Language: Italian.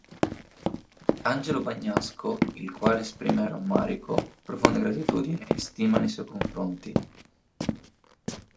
Angelo Bagnasco, il quale esprime "rammarico, profonda gratitudine e stima" nei suoi confronti.